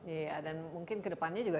iya dan mungkin kedepannya juga